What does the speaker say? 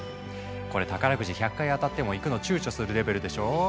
これ宝くじ１００回当たっても行くの躊躇するレベルでしょう。